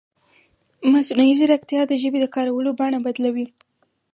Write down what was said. مصنوعي ځیرکتیا د ژبې د کارولو بڼه بدلوي.